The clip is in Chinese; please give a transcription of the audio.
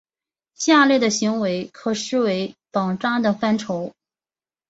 下列的行为可视为绑扎的范畴。